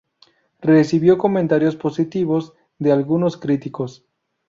Recibió comentarios positivos de algunos críticos.